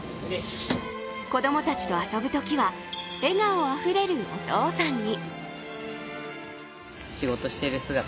子どもたちと遊ぶときは笑顔あふれるお父さんに。